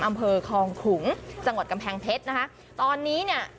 อำเภอคลองขลุงจังหวัดกำแพงเพชรนะคะตอนนี้เนี่ย